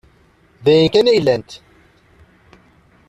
D ayen kan ay lant.